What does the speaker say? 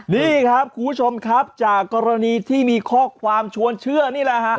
นี่ครับคุณผู้ชมครับจากกรณีที่มีข้อความชวนเชื่อนี่แหละฮะ